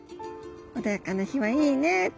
穏やかな日はいいね」と。